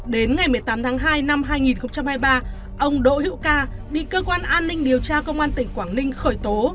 đến ngày một mươi tám tháng hai năm hai nghìn hai mươi ba ông đỗ hữu ca bị cơ quan an ninh điều tra công an tỉnh quảng ninh khởi tố